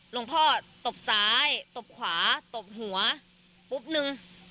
หลวงพ่อตบซ้ายตบขวาตบหัวปุ๊บนึง